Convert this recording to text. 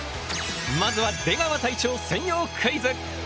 まずは出川隊長専用クイズ！